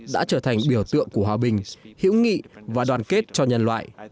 đã trở thành biểu tượng của hòa bình hữu nghị và đoàn kết cho nhân loại